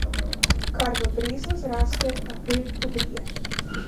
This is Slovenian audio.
Kar v breznu zraste, april pobrije.